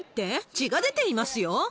血が出ていますよ。